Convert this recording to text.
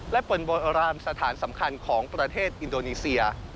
และเป็นโบรามสถานสำคัญของประเทศอินโดนีเซีย